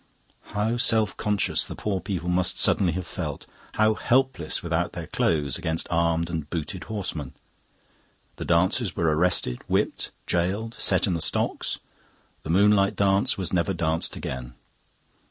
How self conscious the poor people must suddenly have felt, how helpless without their clothes against armed and booted horsemen! The dancers were arrested, whipped, gaoled, set in the stocks; the moonlight dance is never danced again.